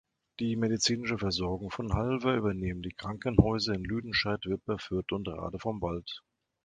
Die medizinische Versorgung von Halver übernehmen die Krankenhäuser in Lüdenscheid, Wipperfürth und Radevormwald.